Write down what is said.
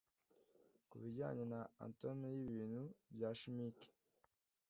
Kubijyanye na atome yibintu bya chimique